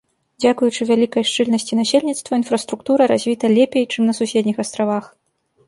Дзякуючы вялікай шчыльнасці насельніцтва інфраструктура развіта лепей, чым на суседніх астравах.